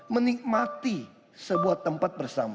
menikmati sebuah tempat bersama